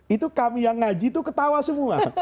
itu kami yang ngaji itu ketawa semua